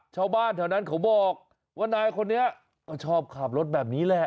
ชาวบ้านแถวนั้นเขาบอกว่านายคนนี้ก็ชอบขับรถแบบนี้แหละ